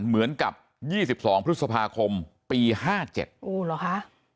เหมือนกับยี่สิบสองพฤษภาคมปีห้าเจ็ดอู๋เหรอคะ